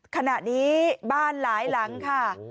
ขณะนี้บ้านหลายหลังค่ะ